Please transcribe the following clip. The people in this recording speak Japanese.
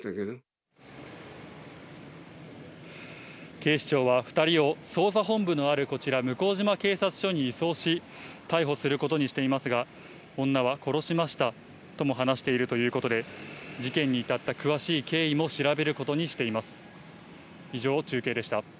警視庁は２人を捜査本部のあるこちら、向島警察署に移送し、逮捕することにしていますが、女は殺しましたとも話しているということで事件に至った詳しい経緯についても調べることにしています。